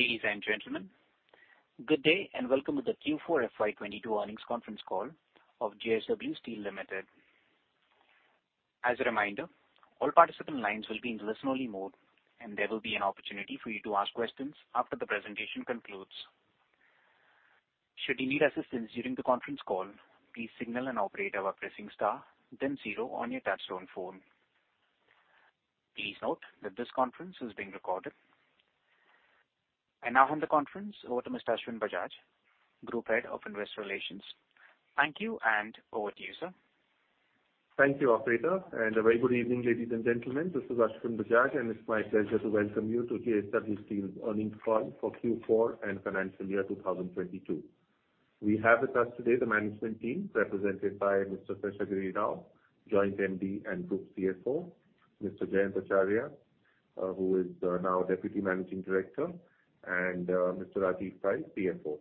Ladies and gentlemen, good day, and welcome to the Q4 FY 2022 earnings conference call of JSW Steel Limited. As a reminder, all participant lines will be in listen only mode, and there will be an opportunity for you to ask questions after the presentation concludes. Should you need assistance during the conference call, please signal an operator by pressing Star then Zero on your touchtone phone. Please note that this conference is being recorded. I now hand the conference over to Mr. Ashwin Bajaj, Group Head of Investor Relations. Thank you, and over to you, sir. Thank you operator, and a very good evening, ladies and gentlemen. This is Ashwin Bajaj, and it's my pleasure to welcome you to JSW Steel's earnings call for Q4 and financial year 2022. We have with us today the management team represented by Mr. Seshagiri Rao, Joint MD and Group CFO, Mr. Jayant Acharya, who is now Deputy Managing Director, and Mr. Rajeev Pai, CFO.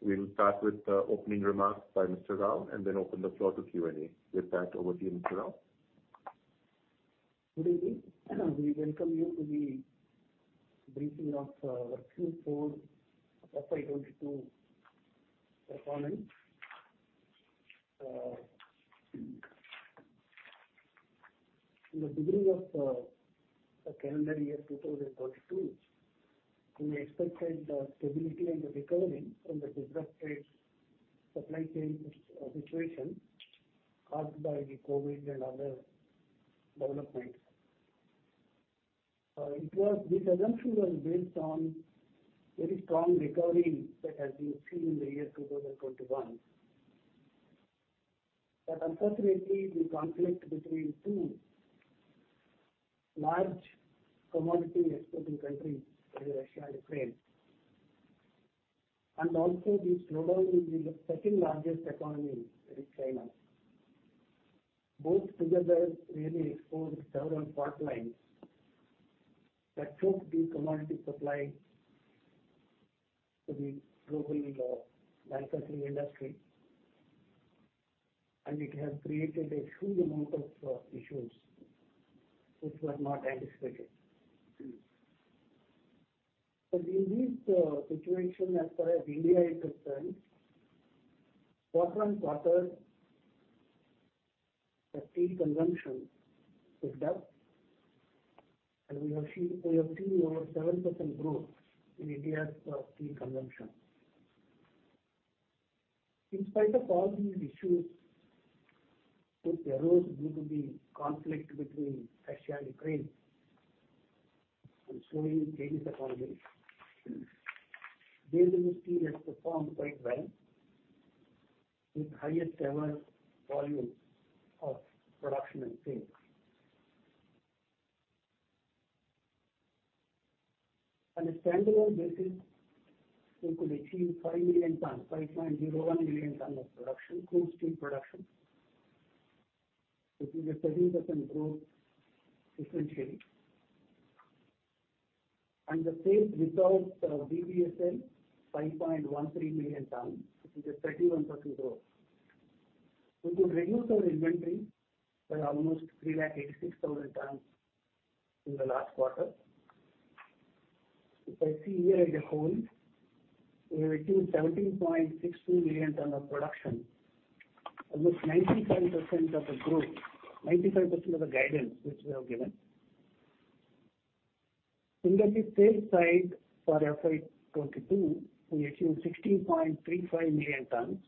We'll start with opening remarks by Mr. Rao and then open the floor to Q&A. With that, over to you, Mr. Rao. Good evening. We welcome you to the briefing of our Q4 FY 2022 performance. In the beginning of the calendar year 2022, we expected stability and a recovery from the disrupted supply chain situation caused by the COVID and other developments. This assumption was based on very strong recovery that had been seen in the year 2021. Unfortunately, the conflict between two large commodity exporting countries, Russia and Ukraine, and also the slowdown in the second largest economy in China, both together really exposed several fault lines that choked the commodity supply to the global manufacturing industry. It has created a huge amount of issues which were not anticipated. In this situation as far as India is concerned, quarter-over-quarter, the steel consumption picked up, and we have seen over 7% growth in India's steel consumption. In spite of all these issues which arose due to the conflict between Russia and Ukraine and slowing Chinese economy, JSW Steel has performed quite well with highest ever volumes of production and sales. On a standalone basis, we could achieve 5 million tons, 5.01 million tons of production, crude steel production, which is a 30% growth sequentially. The sales without VVSL, 5.13 million tons, which is a 31% growth. We could reduce our inventory by almost 386,000 tons in the last quarter. If I see year as a whole, we have achieved 17.62 million tons of production, almost 97% of the group, 95% of the guidance which we have given. In the sales side for FY 2022, we achieved 16.35 million tons.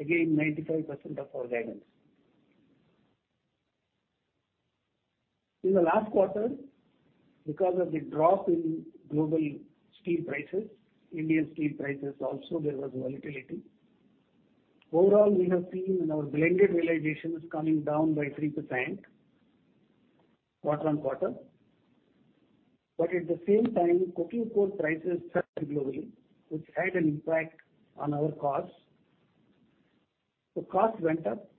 Again, 95% of our guidance. In the last quarter, because of the drop in global steel prices, Indian steel prices also, there was volatility. Overall, we have seen in our blended realizations coming down by 3% quarter-on-quarter. At the same time, coking coal prices surged globally, which had an impact on our costs. Costs went up.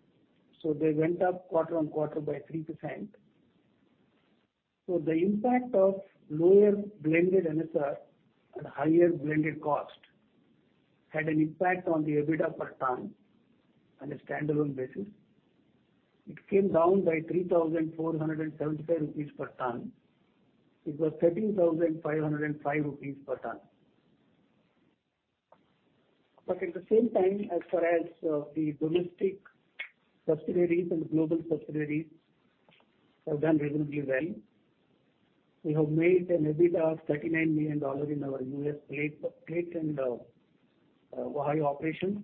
They went up quarter-on-quarter by 3%. The impact of lower blended NSR and higher blended cost had an impact on the EBITDA per ton on a standalone basis. It came down by 3,475 rupees per ton. It was 13,505 rupees per ton. At the same time, as far as the domestic subsidiaries and global subsidiaries have done reasonably well. We have made an EBITDA of $39 million in our U.S. plate and Ohio operation.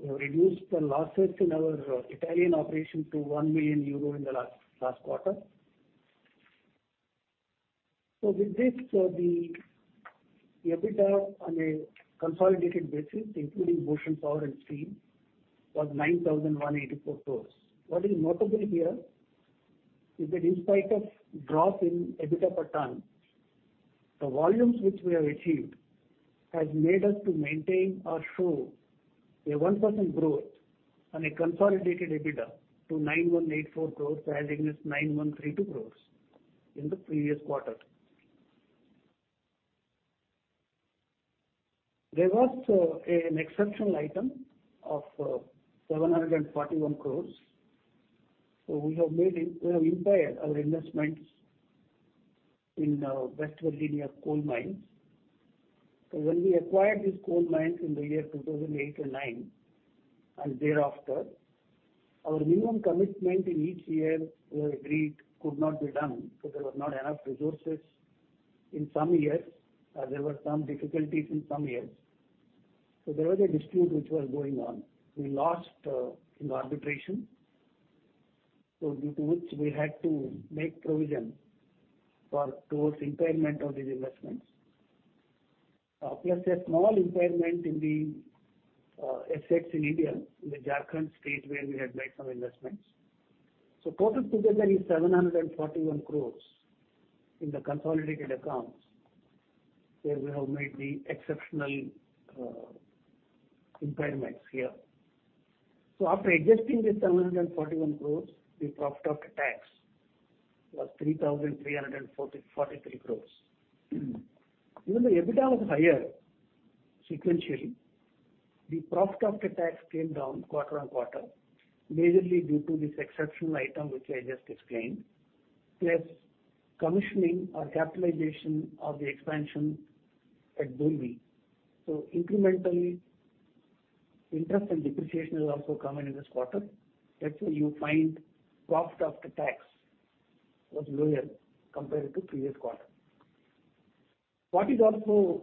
We have reduced the losses in our Italian operation to 1 million euro in the last quarter. With this, the EBITDA on a consolidated basis, including Ocean Power and Steel, was 9,184 crores. What is notable here is that in spite of drop in EBITDA per ton, the volumes which we have achieved has made us to maintain or show a 1% growth on a Consolidated EBITDA to 9,184 crores as against 9,132 crores in the previous quarter. There was an exceptional item of 741 crores. We have impaired our investments in West Virginia coal mines. When we acquired these coal mines in the year 2008 and 2009, and thereafter, our minimum commitment in each year were agreed could not be done, so there was not enough resources in some years, there were some difficulties in some years. There was a dispute which was going on. We lost in arbitration. Due to which we had to make provision towards impairment of these investments. A small impairment in the assets in India, in the Jharkhand state where we had made some investments. Total together is 741 crores in the consolidated accounts, where we have made the exceptional impairments here. After adjusting this 741 crores, the profit after tax was 3,343 crores. Even the EBITDA was higher sequentially. The profit after tax came down quarter-on-quarter, majorly due to this exceptional item which I just explained. Commissioning or capitalization of the expansion at Dolvi. Incrementally, interest and depreciation has also come in this quarter. That's why you find profit after tax was lower compared to previous quarter. What is also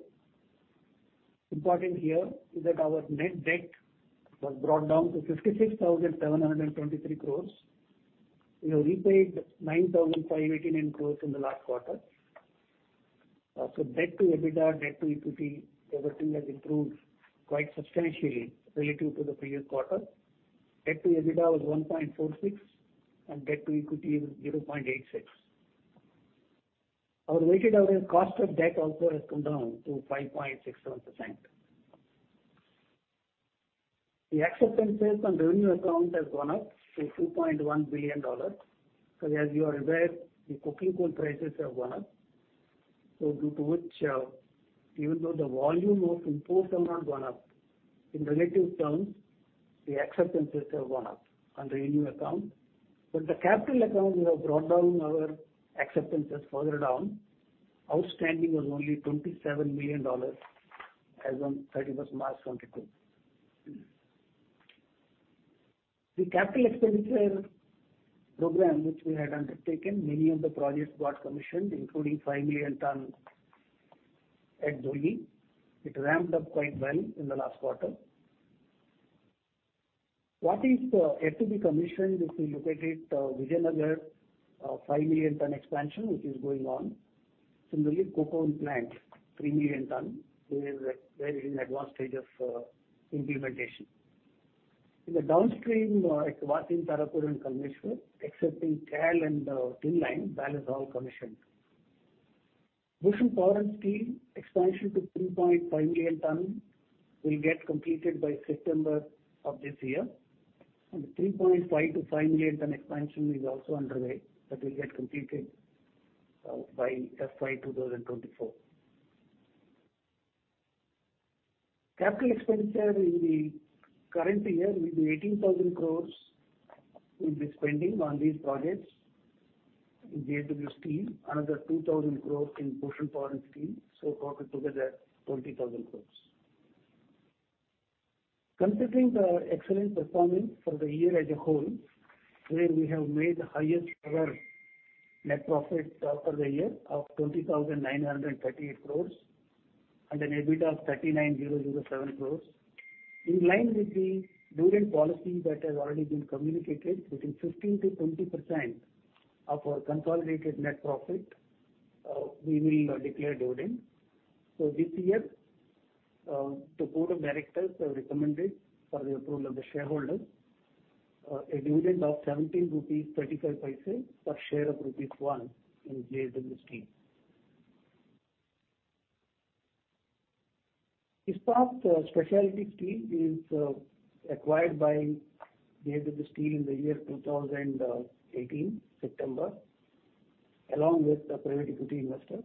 important here is that our net debt was brought down to 56,723 crores. We have repaid 9,589 crores in the last quarter. Also debt to EBITDA, debt to equity, everything has improved quite substantially relative to the previous quarter. Debt to EBITDA was 1.46, and debt to equity was 0.86. Our weighted average cost of debt also has come down to 5.67%. The acceptances on revenue account has gone up to $2.1 billion. As you are aware, the coking coal prices have gone up. Due to which, even though the volume of imports have not gone up, in relative terms, the acceptances have gone up on revenue account. The capital account, we have brought down our acceptances further down. Outstanding was only $27 million as on 31st March 2022. The capital expenditure program which we had undertaken, many of the projects got commissioned, including five million tons at Dolvi. It ramped up quite well in the last quarter. What is yet to be commissioned, if we look at it, Vijayanagar five million ton expansion, which is going on. Similarly, Konkan plant, three million ton, is in advanced stage of implementation. In the downstream, at Vasind, Tarapur and Kalmeshwar, excepting CAL and TIN line, balance all commissioned. Bhushan Power & Steel expansion to 3.5 million ton will get completed by September of this year. 3.5-5 million ton expansion is also underway. That will get completed by FY 2024. Capital expenditure in the current year will be 18,000 crore, we'll be spending on these projects in JSW Steel. Another 2,000 crore in Bhushan Power & Steel, so total together, 20,000 crore. Considering the excellent performance for the year as a whole, where we have made the highest ever net profit for the year of 20,938 crore and an EBITDA of 39,007 crore. In line with the dividend policy that has already been communicated, 15%-20% of our consolidated net profit, we will declare dividend. This year, the board of directors have recommended for the approval of the shareholders, a dividend of 70.35 rupees per share of rupees 1 in JSW Steel. JSW Ispat Special Products is acquired by JSW Steel in the year 2018 September, along with a private equity investor.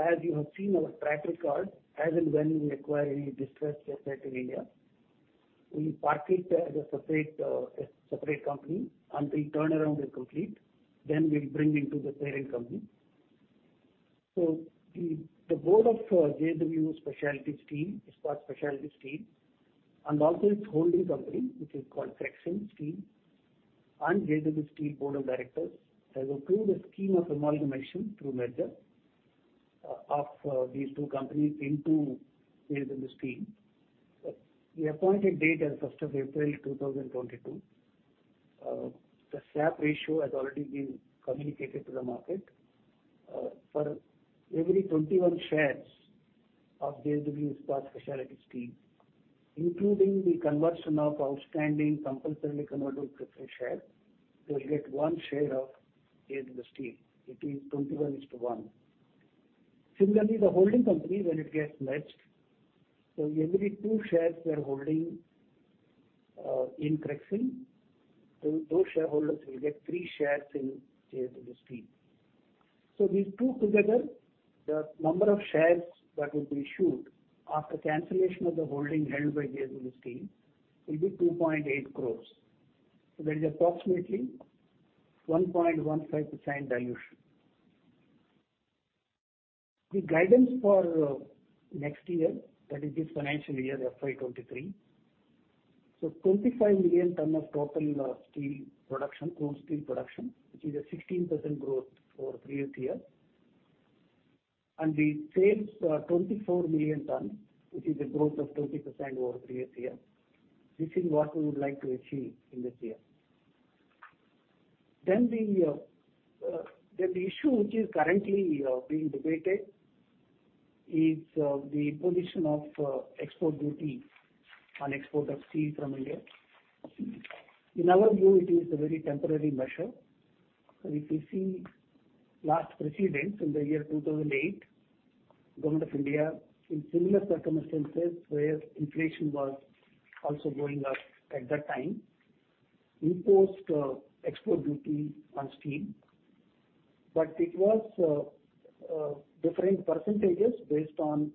As you have seen our track record, as and when we acquire any distressed asset in India, we park it as a separate company until turnaround is complete, then we bring into the parent company. The board of JSW Ispat Special Products and also its holding company, which is called Creixent Special Steels, and JSW Steel board of directors has approved a scheme of amalgamation through merger of these two companies into JSW Steel. The appointed date is first of April 2022. The swap ratio has already been communicated to the market. For every 21 shares of JSW Ispat Special Products, including the conversion of outstanding compulsorily convertible preference shares, you will get one share of JSW Steel. It is 21 into one. Similarly, the holding company, when it gets merged, every two shares they're holding in Creixent, those shareholders will get three shares in JSW Steel. These two together, the number of shares that will be issued after cancellation of the holding held by JSW Steel will be 2.8 crore. There is approximately 1.15% dilution. The guidance for next year, that is this financial year FY 2023. 25 million ton of total steel production, crude steel production, which is a 16% growth over previous year. The sales are 24 million ton, which is a growth of 20% over previous year. This is what we would like to achieve in this year. The issue which is currently being debated is the imposition of export duty on export of steel from India. In our view, it is a very temporary measure. If you see last precedent in the year 2008, Government of India in similar circumstances where inflation was also going up at that time, imposed export duty on steel. It was different percentages based on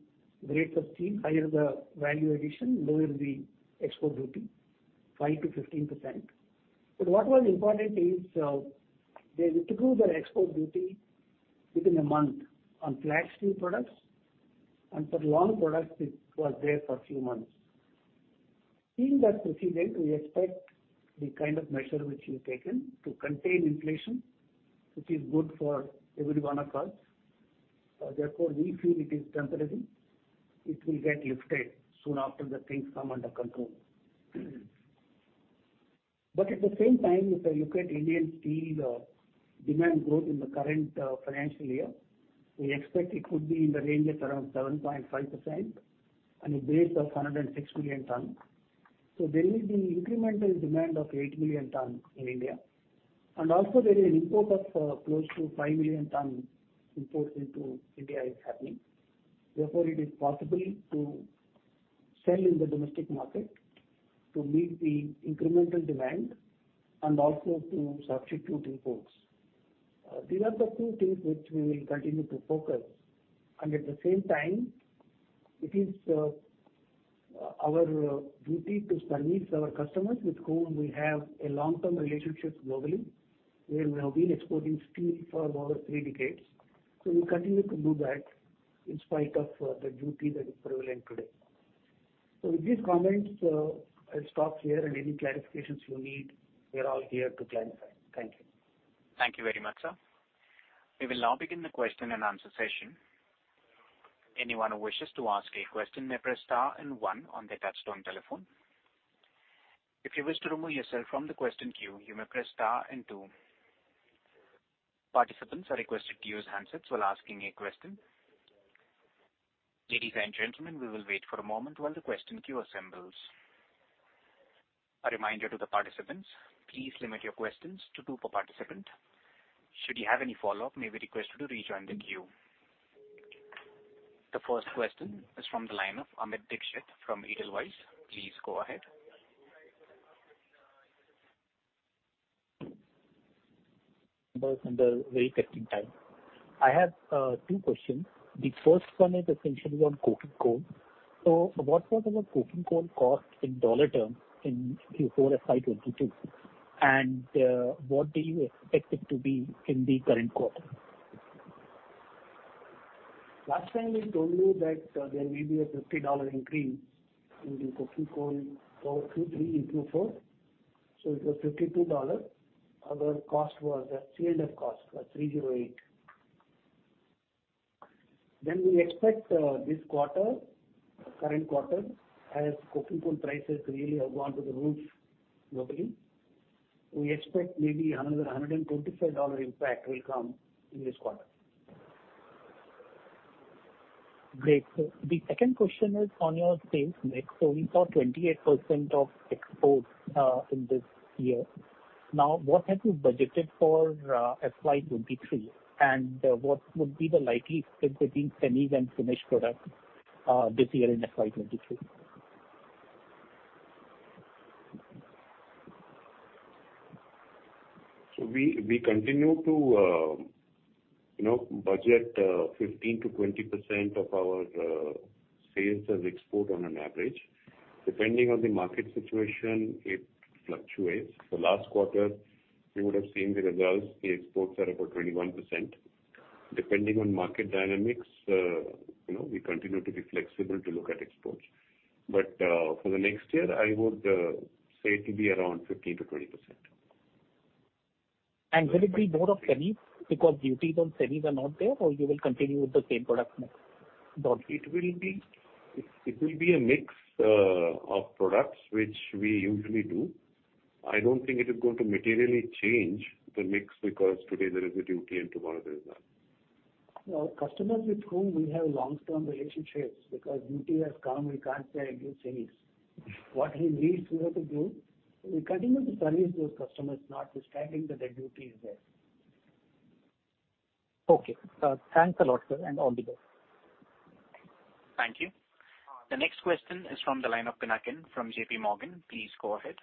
grades of steel. Higher the value addition, lower the export duty, 5%-15%. What was important is they withdrew their export duty within a month on flat steel products. For long products, it was there for a few months. In that precedent, we expect the kind of measure which is taken to contain inflation, which is good for every one of us. Therefore, we feel it is temporary. It will get lifted soon after the things come under control. At the same time, if I look at Indian steel demand growth in the current financial year, we expect it could be in the range of around 7.5% on a base of 106 million tons. There will be incremental demand of eight million tons in India. Also there is import of close to five million tons imports into India is happening. Therefore, it is possible to sell in the domestic market to meet the incremental demand and also to substitute imports. These are the two things which we will continue to focus. At the same time, it is our duty to service our customers with whom we have long-term relationships globally, where we have been exporting steel for over three decades. We'll continue to do that in spite of the duty that is prevalent today. With these comments, I'll stop here and any clarifications you need, we are all here to clarify. Thank you. Thank you very much, sir. We will now begin the question and answer session. Anyone who wishes to ask a question may press Star and One on their touchtone telephone. If you wish to remove yourself from the question queue, you may press Star and Two. Participants are requested to use handsets while asking a question. Ladies and gentlemen, we will wait for a moment while the question queue assembles. A reminder to the participants, please limit your questions to two per participant. Should you have any follow-up, may we request you to rejoin the queue. The first question is from the line of Amit Dixit from Edelweiss. Please go ahead. A very testing time. I have two questions. The first one is essentially on coking coal. What was our coking coal cost in dollar terms in, for FY 2022? What do you expect it to be in the current quarter? Last time we told you that there may be a $50 increase in the coking coal for Q3 and Q4. It was $52. Our cost was, the CFR cost was $308. We expect this quarter, current quarter, as coking coal prices really have gone to the roof globally. We expect maybe another $125 dollar impact will come in this quarter. Great. The second question is on your sales mix. We saw 28% of exports in this year. Now, what have you budgeted for FY 2023? What would be the likely split between semis and finished products this year in FY 2023? We continue to, you know, budget 15%-20% of our sales as export on an average. Depending on the market situation, it fluctuates. The last quarter, you would have seen the results, the exports are about 21%. Depending on market dynamics, you know, we continue to be flexible to look at exports. But for the next year, I would say it will be around 15%-20%. Will it be more of semis because duties on semis are not there, or you will continue with the same product mix? It will be a mix of products which we usually do. I don't think it is going to materially change the mix because today there is a duty and tomorrow there is none. Our customers with whom we have long-term relationships, because duty has come, we can't say against semis. What we need to do, we continue to service those customers notwithstanding that the duty is there. Okay. Thanks a lot, sir, and all the best. Thank you. The next question is from the line of Pinakin from J.P. Morgan. Please go ahead.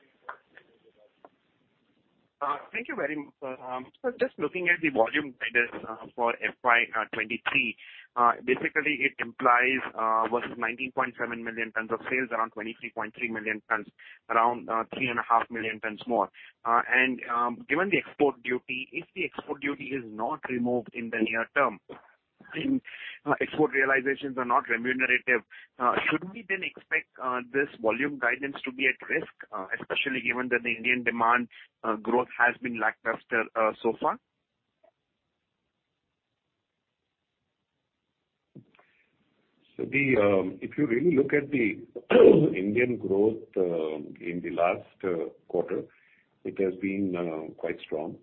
Just looking at the volume guidance for FY 2023. Basically it implies versus 19.7 million tons of sales around 23.3 million tons, around 3.5 million tons more. Given the export duty, if the export duty is not removed in the near term and export realizations are not remunerative, should we then expect this volume guidance to be at risk, especially given that the Indian demand growth has been lackluster so far? If you really look at the Indian growth in the last quarter, it has been quite strong.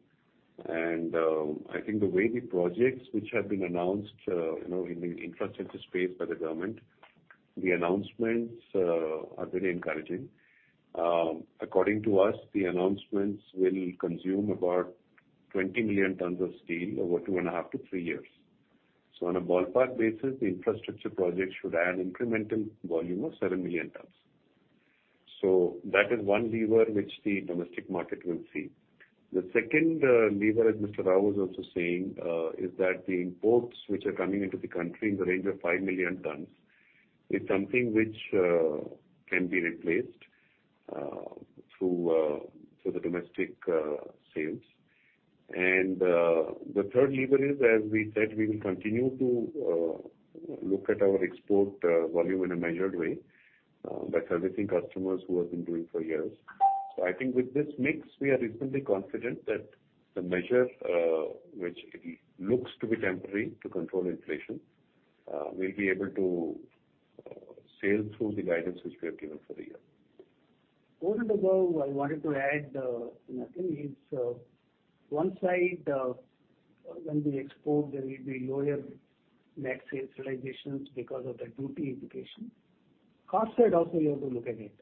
I think the way the projects which have been announced, you know, in the infrastructure space by the government, the announcements are very encouraging. According to us, the announcements will consume about 20 million tons of steel over two and a half to three years. On a ballpark basis, the infrastructure projects should add incremental volume of seven million tons. That is one lever which the domestic market will see. The second lever, as Mr. Rao was also saying, is that the imports which are coming into the country in the range of five million tons is something which can be replaced through the domestic sales. The third lever is, as we said, we will continue to look at our export volume in a measured way, by servicing customers who have been doing for years. I think with this mix, we are reasonably confident that the measure, which it looks to be temporary to control inflation, we'll be able to sail through the guidance which we have given for the year. Over and above, I wanted to add, you know, I think it's one side, when we export there will be lower net sales realizations because of the duty implication. Cost side also you have to look at it.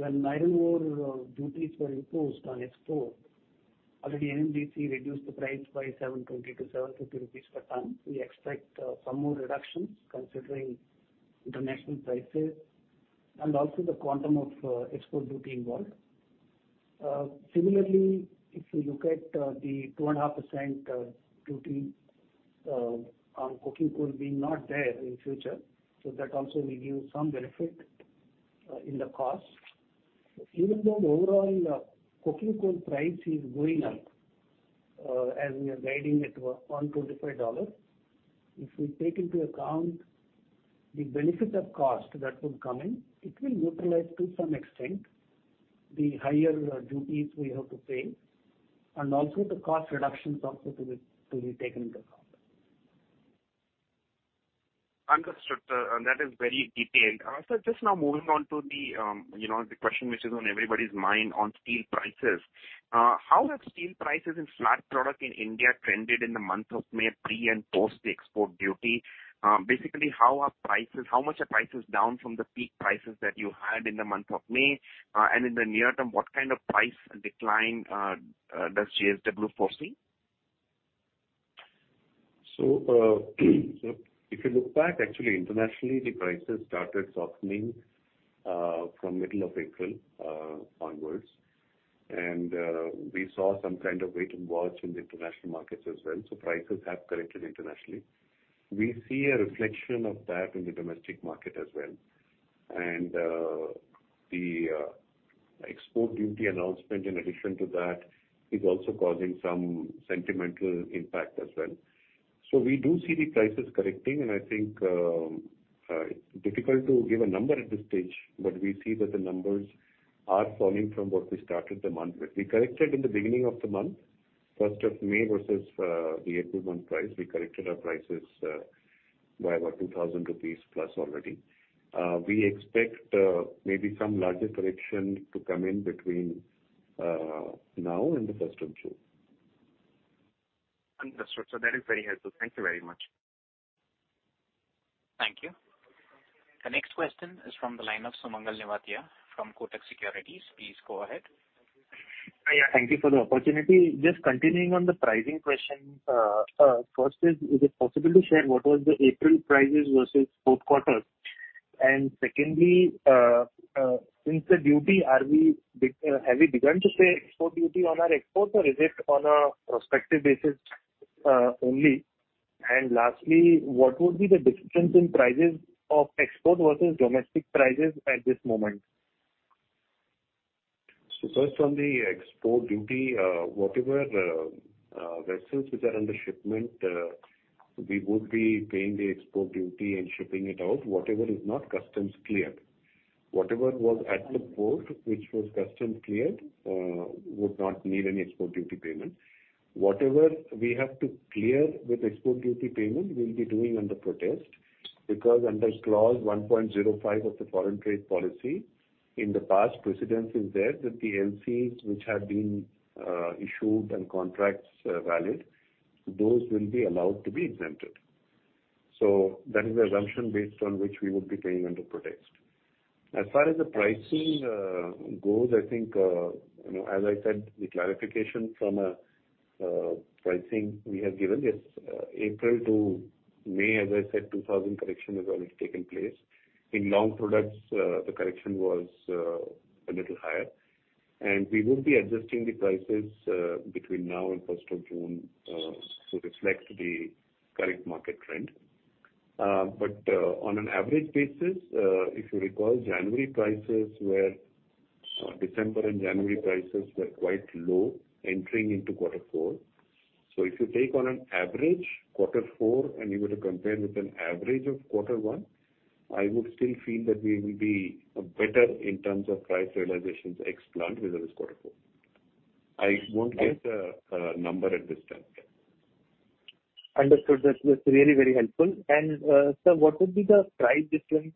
When nine more duties were imposed on export, already NMDC reduced the price by 720-750 rupees per ton. We expect some more reductions considering international prices and also the quantum of export duty involved. Similarly, if you look at the 2.5% duty on coking coal being not there in future, so that also will give some benefit in the cost. Even though overall coking coal price is going up, as we are guiding it to $125, if we take into account the benefit of cost that would come in, it will neutralize to some extent the higher duties we have to pay and also the cost reductions also to be taken into account. Understood, sir. That is very detailed. Sir, just now moving on to the, you know, the question which is on everybody's mind on steel prices. How have steel prices in flat product in India trended in the month of May pre and post the export duty? Basically, how much are prices down from the peak prices that you had in the month of May? And in the near term, what kind of price decline does JSW foresee? If you look back actually internationally the prices started softening from middle of April onwards. We saw some kind of wait and watch in the international markets as well. Prices have corrected internationally. We see a reflection of that in the domestic market as well. The export duty announcement in addition to that is also causing some sentiment impact as well. We do see the prices correcting, and I think it's difficult to give a number at this stage. We see that the numbers are falling from what we started the month with. We corrected in the beginning of the month, first of May versus the April month price. We corrected our prices by about 2,000+ rupees already. We expect maybe some larger correction to come in between now and the first of June. Understood. That is very helpful. Thank you very much. Thank you. The next question is from the line of Sumangal Nevatia from Kotak Securities. Please go ahead. Yeah, thank you for the opportunity. Just continuing on the pricing question. First, is it possible to share what was the April prices versus fourth quarter? Secondly, since the duty, have we begun to pay export duty on our exports or is it on a prospective basis, only? Lastly, what would be the difference in prices of export versus domestic prices at this moment? First on the export duty, whatever vessels which are under shipment, we would be paying the export duty and shipping it out. Whatever is not customs cleared. Whatever was at the port which was customs cleared, would not need any export duty payment. Whatever we have to clear with export duty payment we'll be doing under protest. Because under clause 1.05 of the Foreign Trade Policy, in the past precedent is there that the LCs which have been issued and contracts valid, those will be allowed to be exempted. That is the assumption based on which we would be paying under protest. As far as the pricing goes, I think, you know, as I said, the clarification from a pricing we have given this April to May, as I said, 2,000 correction has already taken place. In long products, the correction was a little higher. We would be adjusting the prices between now and first of June to reflect the current market trend. But on an average basis, if you recall, December and January prices were quite low entering into quarter four. If you take on an average quarter four and you were to compare with an average of quarter one, I would still feel that we will be better in terms of price realizations ex-plant vis-a-vis quarter four. I won't give the number at this time. Understood. That's really very helpful. Sir, what would be the price difference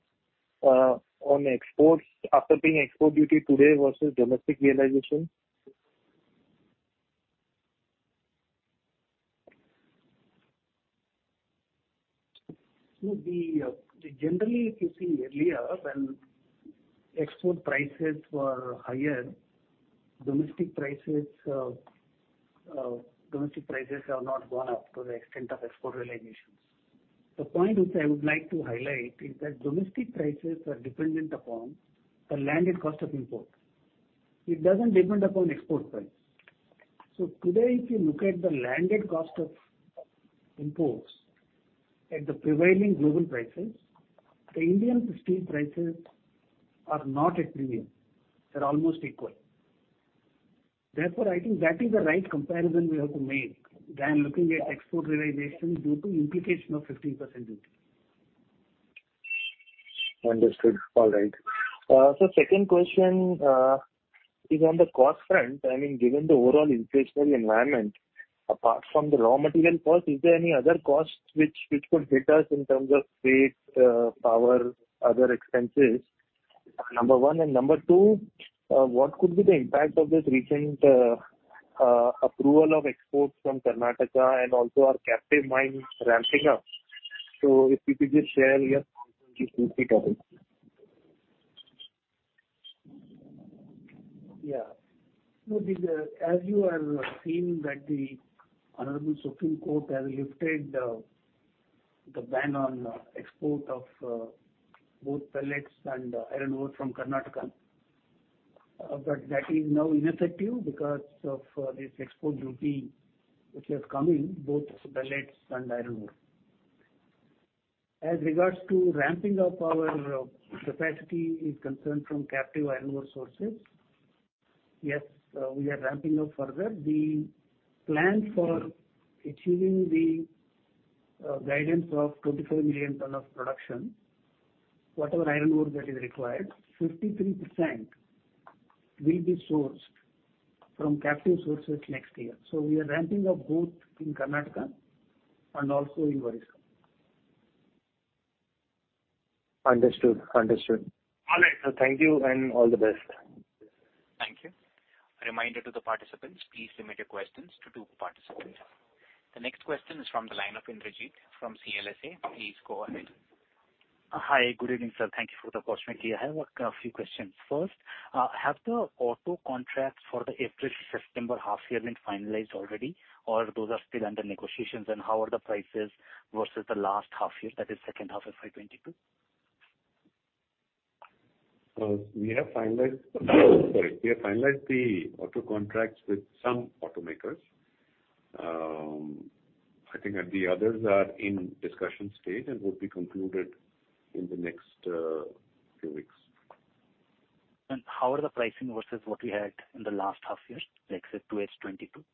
on exports after paying export duty today versus domestic realization? Generally, if you see earlier when export prices were higher, domestic prices have not gone up to the extent of export realizations. The point which I would like to highlight is that domestic prices are dependent upon the landed cost of import. It doesn't depend upon export price. Today, if you look at the landed cost of imports at the prevailing global prices, the Indian steel prices are not at premium. They're almost equal. Therefore, I think that is the right comparison we have to make than looking at export realization due to imposition of 15% duty. Understood. All right. Second question is on the cost front. I mean, given the overall inflationary environment, apart from the raw material cost, is there any other cost which could hit us in terms of freight, power, other expenses? Number one. Number two, what could be the impact of this recent approval of exports from Karnataka and also our captive mine ramping up? If you could just share your thoughts on these two topics. Yeah. No, as you have seen that the Honorable Supreme Court has lifted the ban on export of both pellets and iron ore from Karnataka. But that is now ineffective because of this export duty which has come in both pellets and iron ore. As regards to ramping up our capacity is concerned from captive iron ore sources, yes, we are ramping up further. The plan for achieving the guidance of 24 million tons of production, whatever iron ore that is required, 53% will be sourced from captive sources next year. We are ramping up both in Karnataka and also in Odisha. Understood. All right, sir. Thank you and all the best. Thank you. A reminder to the participants, please submit your questions to participate. The next question is from the line of Indrajit from CLSA. Please go ahead. Hi. Good evening, sir. Thank you for the opportunity. I have a few questions. First, have the auto contracts for the April-September half year been finalized already or those are still under negotiations? And how are the prices versus the last half year, that is second half of FY 2022? We have finalized the auto contracts with some automakers. I think the others are in discussion stage and would be concluded in the next few weeks. How are the pricing versus what we had in the last half year, say, 2H 2022?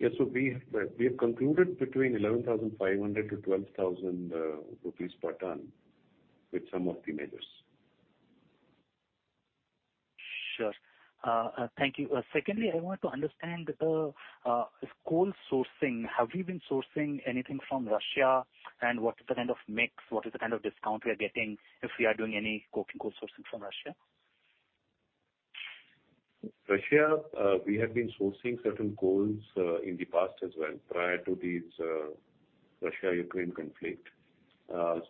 Yes. We have concluded between 11,500-12,000 rupees per ton with some of the majors. Sure. Thank you. Secondly, I want to understand, with coal sourcing, have we been sourcing anything from Russia? And what is the kind of mix, what is the kind of discount we are getting if we are doing any coking coal sourcing from Russia? Russia, we have been sourcing certain coals in the past as well prior to this Russia-Ukraine conflict.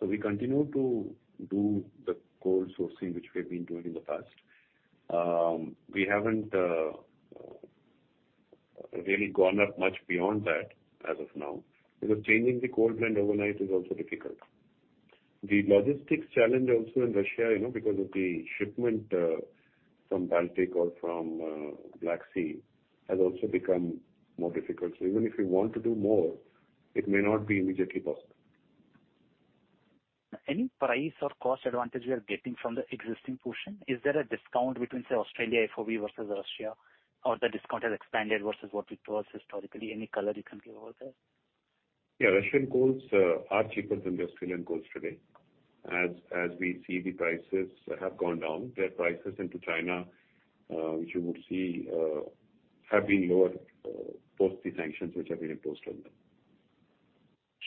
We continue to do the coal sourcing which we've been doing in the past. We haven't really gone up much beyond that as of now because changing the coal blend overnight is also difficult. The logistics challenge also in Russia, you know, because of the shipment from Baltic or from Black Sea has also become more difficult. Even if we want to do more, it may not be immediately possible. Any price or cost advantage we are getting from the existing portion? Is there a discount between, say, Australia FOB versus Russia, or the discount has expanded versus what it was historically? Any color you can give over there? Yeah. Russian coals are cheaper than the Australian coals today. As we see the prices have gone down. Their prices into China, which you would see, have been lower post the sanctions which have been imposed on them.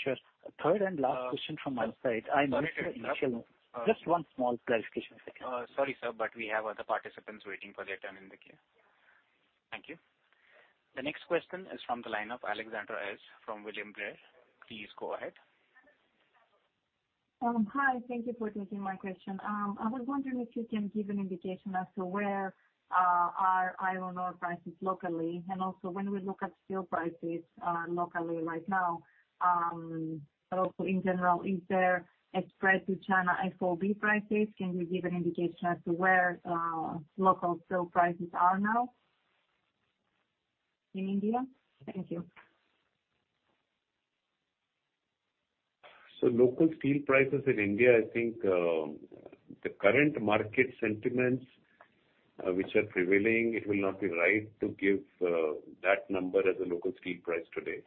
Sure. Third and last question from my side. I know it's initial. Sorry to interrupt. Just one small clarification if I can. Sorry, sir, but we have other participants waiting for their turn in the queue. Thank you. The next question is from the line of Alexandra S. from William Blair. Please go ahead. Hi. Thank you for taking my question. I was wondering if you can give an indication as to where are iron ore prices locally, and also when we look at steel prices, locally right now, but also in general, is there a spread to China FOB prices? Can you give an indication as to where local steel prices are now in India? Thank you. Local steel prices in India, I think, the current market sentiments, which are prevailing, it will not be right to give that number as a local steel price today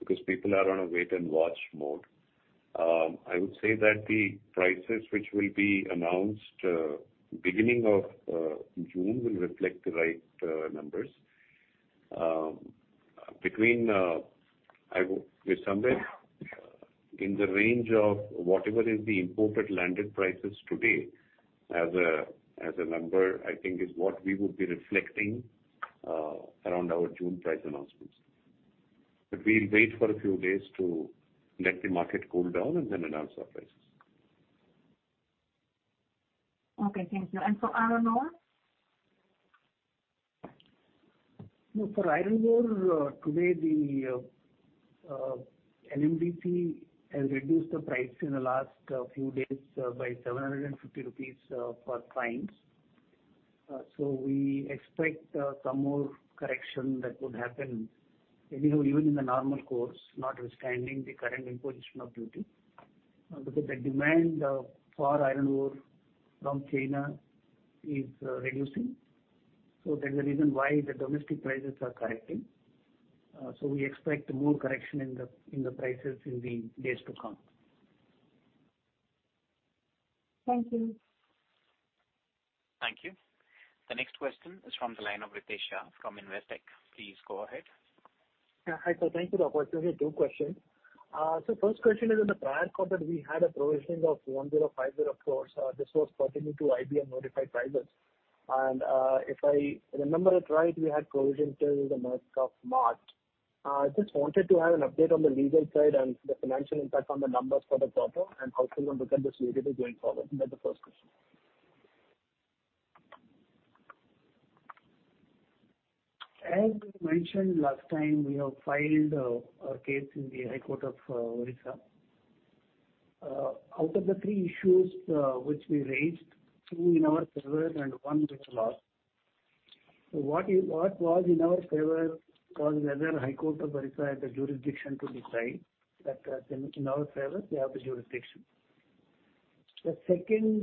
because people are on a wait and watch mode. I would say that the prices which will be announced beginning of June will reflect the right numbers. Between somewhere in the range of whatever is the imported landed prices today as a number, I think is what we would be reflecting around our June price announcements. We'll wait for a few days to let the market cool down and then announce our prices. Okay, thank you. For iron ore? No, for iron ore, today the NMDC has reduced the price in the last few days by 750 rupees per fines. We expect some more correction that would happen anyhow, even in the normal course, notwithstanding the current imposition of duty. Because the demand for iron ore from China is reducing. That's the reason why the domestic prices are correcting. We expect more correction in the prices in the days to come. Thank you. Thank you. The next question is from the line of Ritesh Shah from Investec. Please go ahead. Yeah. Hi, sir. Thank you. I have two questions. First question is, in the prior quarter, we had a provision of 1,050 crores. This was pertaining to IBM notified prices. If I remember it right, we had provision till the month of March. I just wanted to have an update on the legal side and the financial impact on the numbers for the quarter, and how soon we can expect this legally going forward. That's the first question. As we mentioned last time, we have filed a case in the High Court of Orissa. Out of the three issues which we raised, two in our favor and one with a loss. What was in our favor was whether High Court of Orissa had the jurisdiction to decide that, in our favor they have the jurisdiction. The second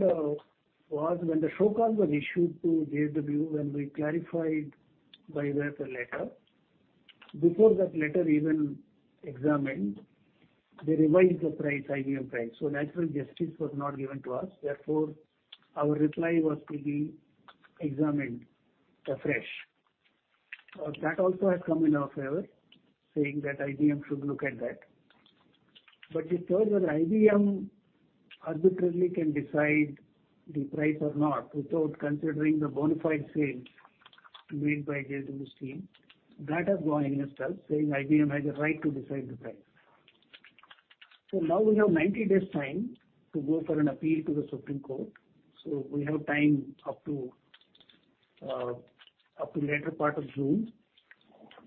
was when the show cause was issued to JSW, when we clarified by way of a letter. Before that letter even examined, they revised the price, IBM price. Natural justice was not given to us. Therefore, our reply was to be examined afresh. That also has come in our favor, saying that IBM should look at that. The third one, IBM arbitrarily can decide the price or not without considering the bona fide sales made by JSW Steel. That has gone in itself, saying IBM has a right to decide the price. Now we have 90 days time to go for an appeal to the Supreme Court. We have time up to later part of June.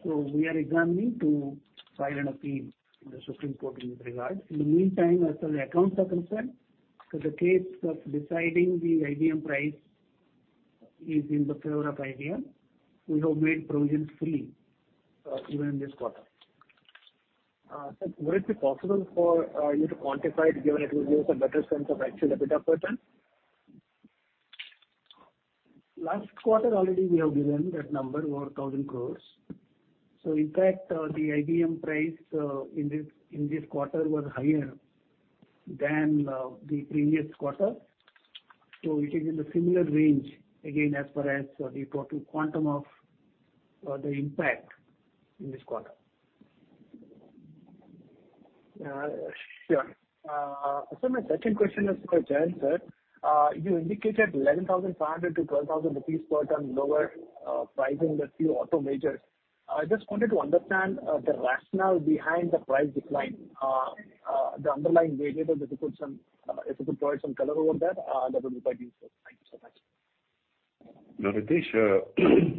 We are examining to file an appeal in the Supreme Court in this regard. In the meantime, as far as accounts are concerned, the case of deciding the IBM price is in favor of IBM. We have made provisions fully, even in this quarter. Sir, would it be possible for you to quantify it, given it will give us a better sense of actual EBITDA per ton? Last quarter already we have given that number, over 1,000 crores. In fact, the IBM price in this quarter was higher than the previous quarter. It is in the similar range again as far as the total quantum of the impact in this quarter. Sure. My second question is for Jayant, sir. You indicated 11,500-12,000 rupees per ton lower pricing to the few auto majors. I just wanted to understand the rationale behind the price decline. The underlying variable, if you could provide some color on that would be quite useful. Thank you so much. No, Ritesh Shah.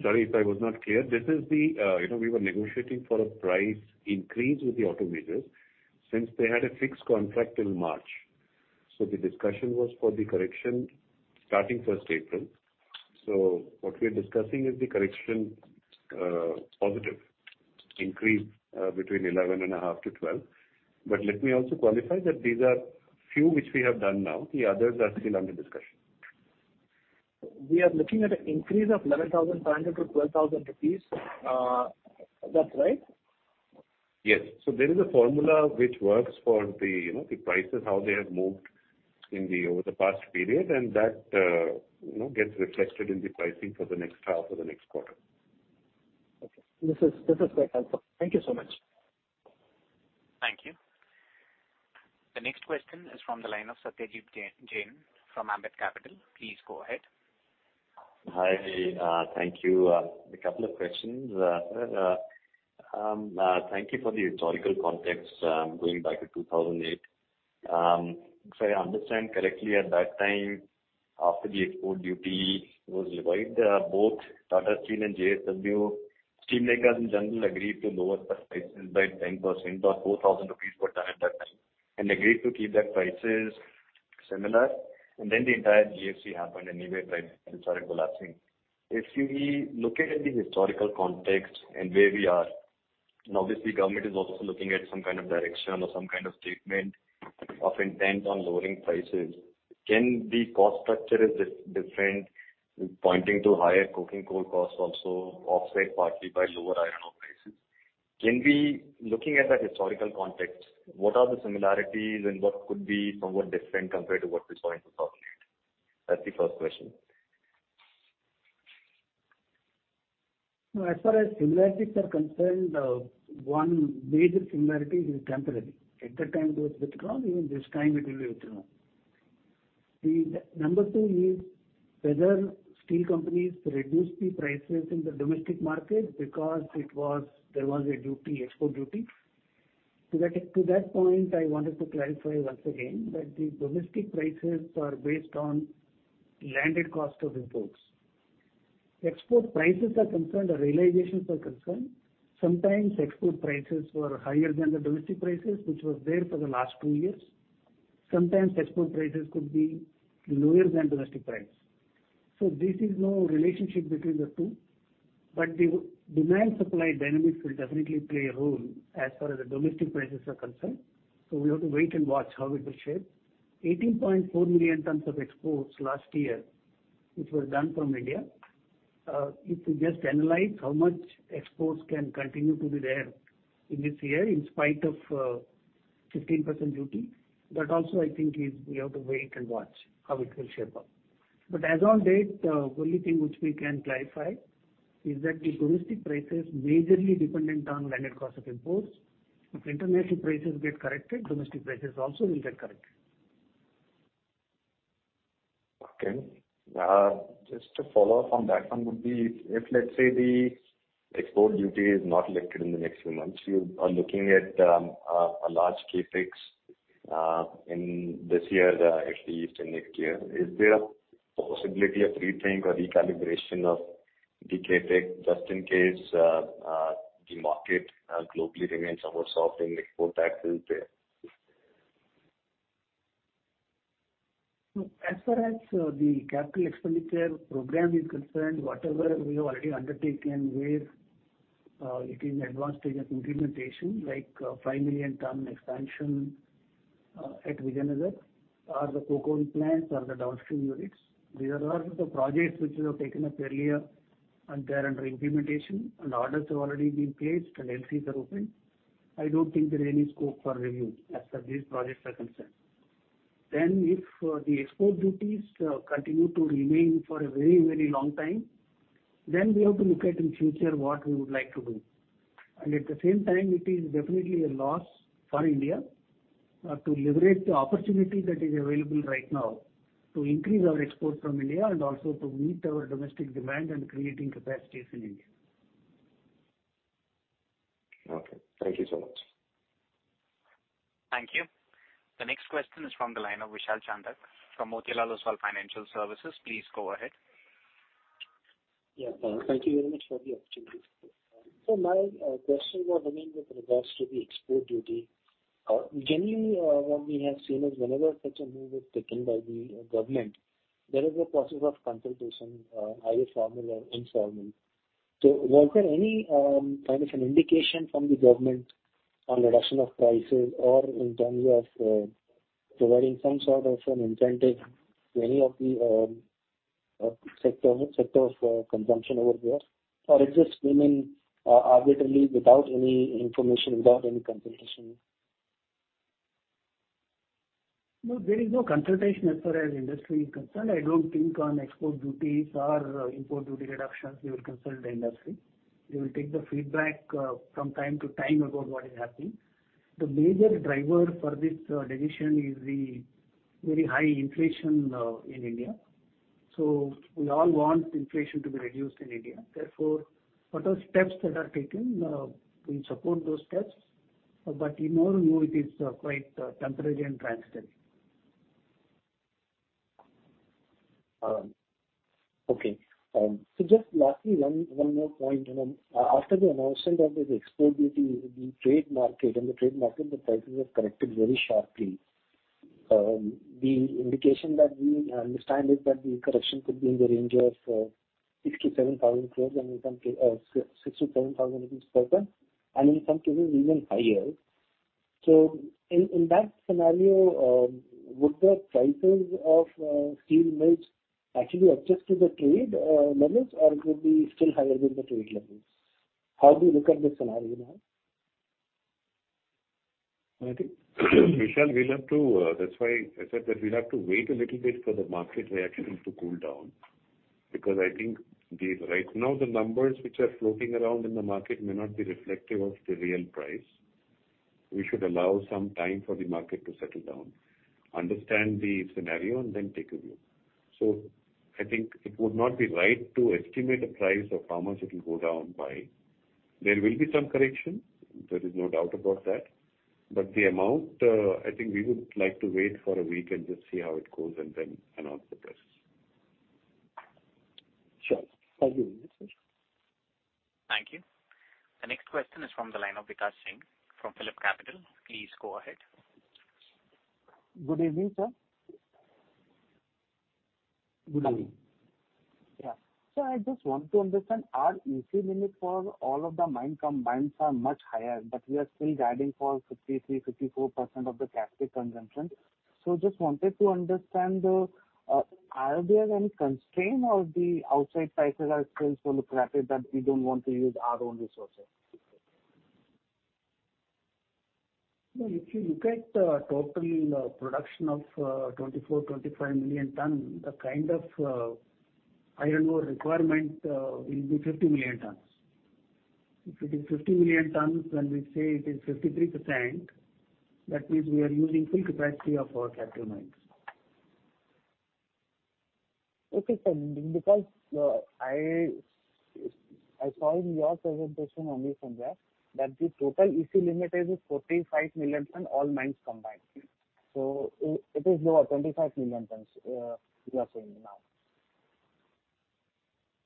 Sorry if I was not clear. This is the, you know, we were negotiating for a price increase with the auto majors since they had a fixed contract in March. The discussion was for the correction starting April 1. What we're discussing is the correction, positive increase, between 11.5%-12%. Let me also qualify that these are few which we have done now. The others are still under discussion. We are looking at an increase of 11,500-12,000 rupees. That's right? Yes. There is a formula which works for the, you know, the prices, how they have moved over the past period, and that, you know, gets reflected in the pricing for the next half or the next quarter. Okay. This is quite helpful. Thank you so much. Thank you. The next question is from the line of Satyadeep Jain from Ambit Capital. Please go ahead. Hi. Thank you. A couple of questions. Sir, thank you for the historical context, going back to 2008. If I understand correctly, at that time, after the export duty was revived, both Tata Steel and JSW Steel makers in general agreed to lower prices by 10% or 4,000 rupees per ton at that time, and agreed to keep their prices similar. The entire GFC happened anyway, prices started collapsing. If we look at the historical context and where we are, and obviously government is also looking at some kind of direction or some kind of statement of intent on lowering prices. Can the cost structure is different, pointing to higher coking coal costs also offset partly by lower iron ore prices? Can we? Looking at that historical context, what are the similarities and what could be somewhat different compared to what we saw in 2008? That's the first question. No, as far as similarities are concerned, one major similarity is temporary. At that time it was withdrawn, even this time it will be withdrawn. Number two is whether steel companies reduce the prices in the domestic market because there was a duty, export duty. To that point, I wanted to clarify once again that the domestic prices are based on landed cost of imports. Export prices are concerned or realizations are concerned, sometimes export prices were higher than the domestic prices, which was there for the last two years. Sometimes export prices could be lower than domestic price. This is no relationship between the two. The demand supply dynamics will definitely play a role as far as the domestic prices are concerned, so we have to wait and watch how it will shape. 18.4 million tons of exports last year, which was done from India. If you just analyze how much exports can continue to be there in this year in spite of 15% duty. That also, I think is we have to wait and watch how it will shape up. As on date, only thing which we can clarify is that the domestic price is majorly dependent on landed cost of imports. If international prices get corrected, domestic prices also will get corrected. Okay. Just to follow up on that, one would be if, let's say, the export duty is not lifted in the next few months, you are looking at a large CapEx in this year, actually into next year. Is there a possibility of rethinking or recalibration of the CapEx just in case the market globally remains somewhat soft and export taxes there? As far as the capital expenditure program is concerned, whatever we have already undertaken where it is advanced stage of implementation, like five million-ton expansion at Vijayanagar or the coke oven plants or the downstream units. These are all the projects which we have taken up earlier, and they're under implementation, and orders have already been placed and LCs are opened. I don't think there's any scope for review as far as these projects are concerned. Then if the export duties continue to remain for a very, very long time, then we have to look at in future what we would like to do. At the same time, it is definitely a loss for India to lose the opportunity that is available right now to increase our export from India and also to meet our domestic demand and creating capacities in India. Okay, thank you so much. Thank you. The next question is from the line of Vishal Chandak from Motilal Oswal Financial Services. Please go ahead. Yeah. Thank you very much for the opportunity. My question was, I mean, with regards to the export duty, generally, what we have seen is whenever such a move is taken by the government, there is a process of consultation, either formal or informal. Was there any kind of an indication from the government on reduction of prices or in terms of providing some sort of an incentive to any of the sector of consumption over there? Or it just came in, arbitrarily without any information, without any consultation? No, there is no consultation as far as industry is concerned. I don't think on export duties or import duty reductions they will consult the industry. They will take the feedback from time to time about what is happening. The major driver for this decision is the very high inflation in India. We all want inflation to be reduced in India. Therefore, whatever steps that are taken, we support those steps, but we know it is quite temporary and transient. Just lastly, one more point. After the announcement of this export duty, in the trade market, the prices have corrected very sharply. The indication that we understand is that the correction could be in the range of 6,000-7,000 crore and in some cases 6,000-7,000 rupees per ton and in some cases even higher. In that scenario, would the prices of steel mills actually adjust to the trade levels, or it could be still higher than the trade levels? How do you look at this scenario now? I think Vishal, we'll have to. That's why I said that we'll have to wait a little bit for the market reactions to cool down. Because I think right now, the numbers which are floating around in the market may not be reflective of the real price. We should allow some time for the market to settle down, understand the scenario, and then take a view. I think it would not be right to estimate the price of how much it will go down by. There will be some correction, there is no doubt about that. The amount, I think we would like to wait for a week and just see how it goes, and then announce the price. Sure. Thank you. Thank you. The next question is from the line of Vikash Singh from Phillip Capital. Please go ahead. Good evening, sir. Good evening. I just want to understand, our EC limit for all of the mines combined are much higher, but we are still guiding for 53%-54% of the captive consumption. Just wanted to understand, are there any constraint or the outside prices are still so lucrative that we don't want to use our own resources? No, if you look at total production of 24 million tons-25 million tons, the kind of iron ore requirement will be 50 million tons. If it is 50 million tons, when we say it is 53%, that means we are using full capacity of our captive mines. Okay, sir. Because I saw in your presentation only from there, that the total EC limit is 45 million tons, all mines combined. It is lower, 25 million tons, you are saying now.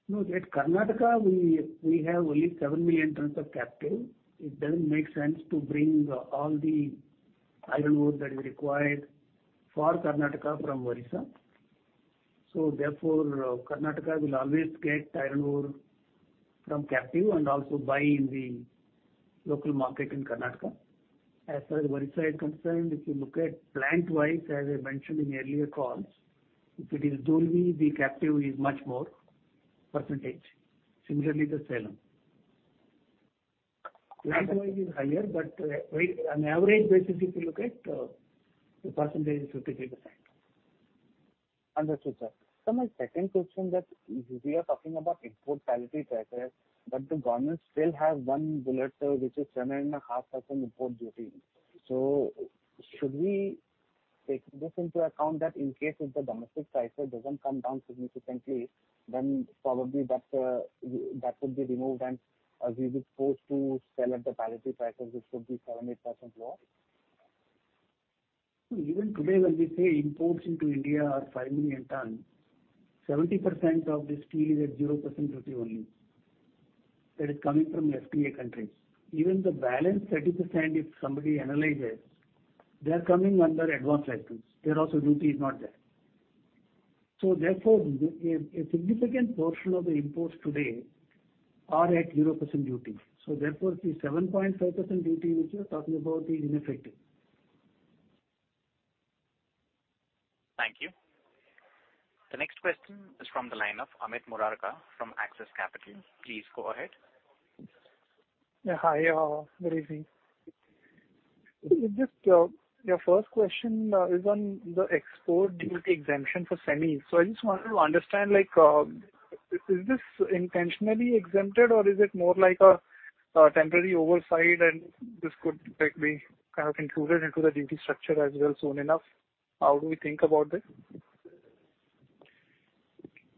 No, at Karnataka, we have only seven million tons of captive. It doesn't make sense to bring all the iron ore that is required for Karnataka from Orissa. Karnataka will always get iron ore from captive and also buy in the local market in Karnataka. As far as Orissa is concerned, if you look at plant wise, as I mentioned in earlier calls, if it is Dolvi, the captive is much more percentage. Similarly, the Salem plant wise is higher, but on average basis if you look at the percentage is 53%. Understood, sir. My second question that we are talking about import parity prices, but the government still has one bullet, sir, which is 7.5% import duty. Should we take this into account that in case if the domestic prices doesn't come down significantly, then probably that would be removed. We be forced to sell at the parity prices, which would be 7%-8% lower. Even today, when we say imports into India are five million tons, 70% of this steel is at 0% duty only. That is coming from FTA countries. Even the balance 30%, if somebody analyzes, they're coming under advance license. There also, duty is not there. A significant portion of the imports today are at 0% duty. The 7.5% duty which you're talking about is ineffective. Thank you. The next question is from the line of Amit Murarka from Axis Capital. Please go ahead. Yeah. Hi. Good evening. Just your first question is on the export duty exemption for semis. I just wanted to understand, like, is this intentionally exempted or is it more like a temporary oversight and this could, like, be kind of included into the duty structure as well soon enough? How do we think about this?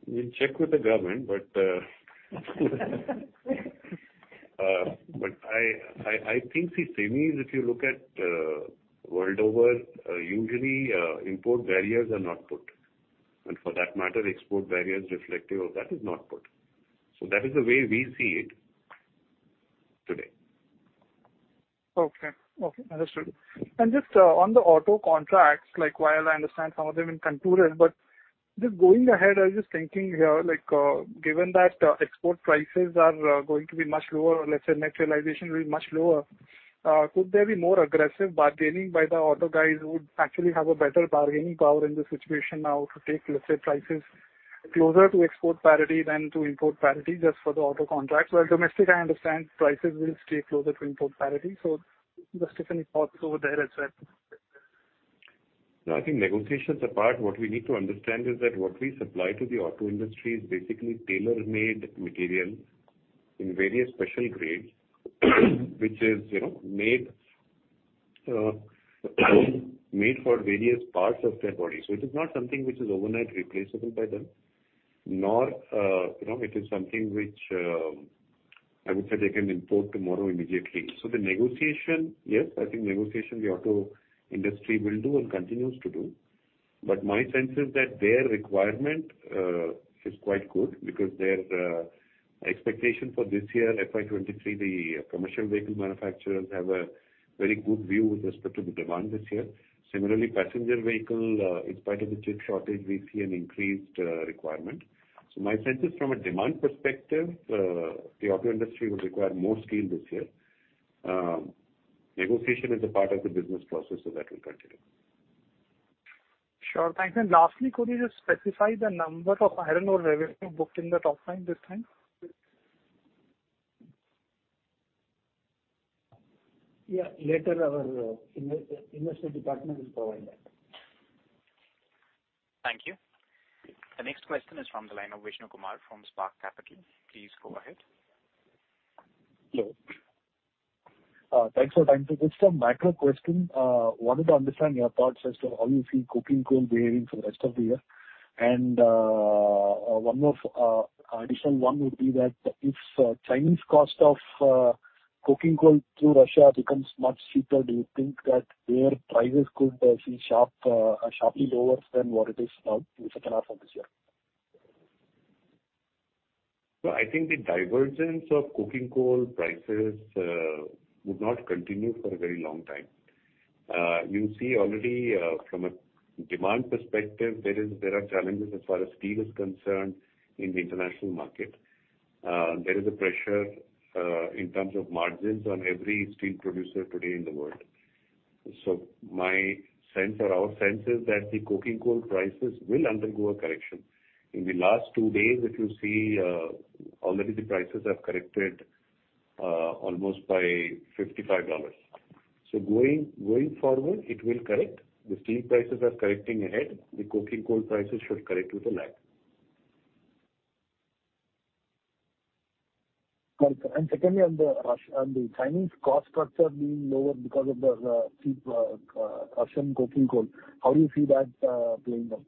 We'll check with the government, but I think you see, semis, if you look at world over, usually import barriers are not put. For that matter, export barriers reflective of that is not put. That is the way we see it today. Okay. Okay. Understood. Just, on the auto contracts, like, while I understand some of them in contours, but just going ahead, I was just thinking here, like, given that, export prices are, going to be much lower, let's say, net realization will be much lower, could there be more aggressive bargaining by the auto guys who would actually have a better bargaining power in this situation now to take, let's say, prices closer to export parity than to import parity, just for the auto contracts? While domestic, I understand prices will stay closer to import parity. Just if any thoughts over there as well. No, I think negotiations apart, what we need to understand is that what we supply to the auto industry is basically tailor-made material in various special grades, which is, you know, made for various parts of their body. It is not something which is overnight replaceable by them, nor, you know, it is something which, I would say they can import tomorrow immediately. The negotiation, yes, I think negotiation the auto industry will do and continues to do. My sense is that their requirement is quite good because their expectation for this year, FY 2023, the commercial vehicle manufacturers have a very good view with respect to the demand this year. Similarly, passenger vehicle, in spite of the chip shortage, we see an increased requirement. My sense is from a demand perspective, the auto industry will require more steel this year. Negotiation is a part of the business process, so that will continue. Sure. Thanks. Lastly, could you just specify the number of iron ore revenue booked in the top line this time? Yeah. Later our investment department will provide that. Thank you. The next question is from the line of Vishnu Kumar from Spark Capital. Please go ahead. Hello. Thanks for the time. Just a macro question. Wanted to understand your thoughts as to how you see coking coal behaving for the rest of the year. One more additional one would be that if Chinese cost of coking coal through Russia becomes much cheaper, do you think that their prices could see sharp, sharply lower than what it is now in the second half of this year? I think the divergence of coking coal prices would not continue for a very long time. You see already, from a demand perspective, there are challenges as far as steel is concerned in the international market. There is a pressure in terms of margins on every steel producer today in the world. My sense or our sense is that the coking coal prices will undergo a correction. In the last two days, if you see, already the prices have corrected almost by $55. Going forward, it will correct. The steel prices are correcting ahead. The coking coal prices should correct with a lag. Got it. Secondly, on the Chinese cost structure being lower because of the cheap Russian coking coal, how do you see that playing out?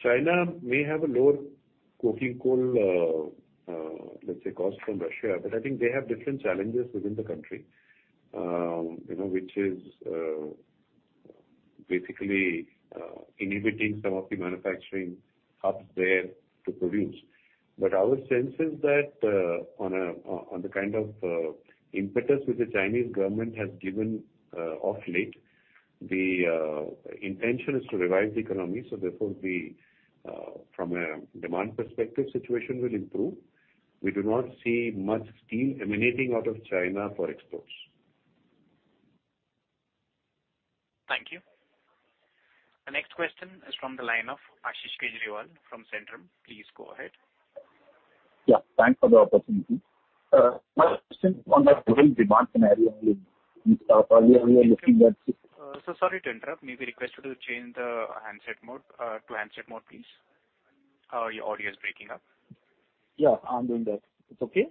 China may have a lower coking coal, let's say, cost from Russia, but I think they have different challenges within the country. You know, which is basically inhibiting some of the manufacturing hubs there to produce. Our sense is that on the kind of impetus which the Chinese government has given of late, the intention is to revive the economy. Therefore, from a demand perspective, the situation will improve. We do not see much steel emanating out of China for exports. Thank you. The next question is from the line of Ashish Kejriwal from Centrum. Please go ahead. Yeah, thanks for the opportunity. My question on the global demand scenario we are looking at. Sir, sorry to interrupt. May we request you to change the handset mode to handset mode, please. Your audio is breaking up. Yeah, I'm doing that. It's okay?